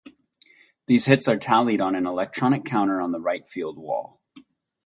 These hits are tallied on an electronic counter on the right field wall.